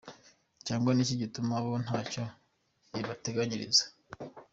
Cyangwa ni iki gituma bo ntacyo ibateganyiriza!!!?